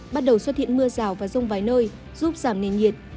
bắt đầu xuất hiện mưa rào và rông vài nơi giúp giảm nền nhiệt